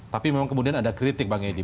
tapi memang kemudian ada kritik bang edi